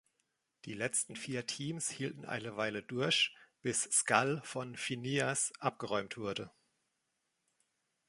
Die letzten vier Teams hielten eine Weile durch, bis Skull von Phineas abgeräumt wurde.